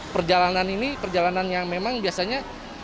perjalanan ini perjalanan yang memang biasanya